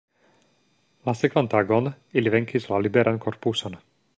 La sekvan tagon ili venkis la liberan korpuson.